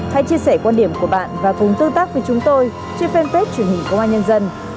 hãy chia sẻ quan điểm của bạn và cùng tương tác với chúng tôi trên fanpage truyền hình công an nhân dân